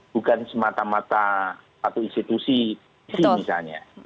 bukan semata mata satu institusi misalnya